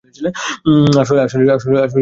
আসলেই, র ছেড়ে দিলে কেন?